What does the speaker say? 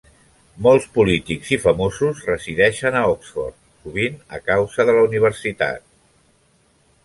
Molts polítics i famosos resideixen a Oxford, sovint a causa de la Universitat.